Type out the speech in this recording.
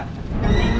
tidak terjadi banyak